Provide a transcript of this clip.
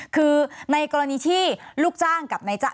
คือในกรณีที่ลูกจ้างกับนายจ้าง